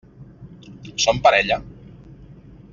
Són parella?